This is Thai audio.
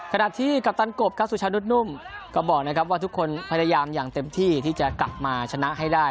ขณะที่กัปตันกบครับสุชานุษย์นุ่มก็บอกนะครับว่าทุกคนพยายามอย่างเต็มที่ที่จะกลับมาชนะให้ได้